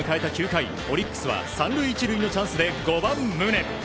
９回オリックスは３塁１塁のチャンスで５番、宗。